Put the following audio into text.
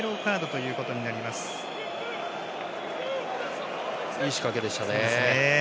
いい仕掛けでしたね。